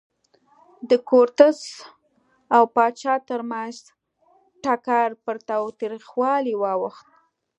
د کورتس او پاچا ترمنځ ټکر پر تاوتریخوالي واوښت.